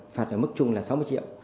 phạt ở mức chung là sáu mươi triệu